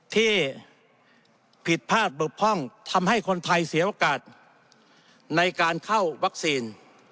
ที่ผิดพลาดบกพร่องทำให้คนไทยเสียโอกาสในการเข้าวัคซีน